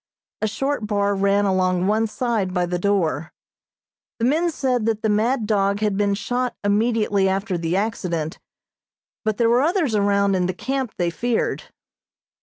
A short bar ran along one side by the door. The men said that the mad dog had been shot immediately after the accident, but there were others around in the camp, they feared.